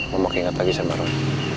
mama keinget lagi sama roy